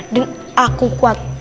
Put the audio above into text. dan aku kuat